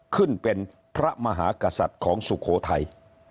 ขึ้นเป็นพระมหากษัตริย์ของสุโขทัย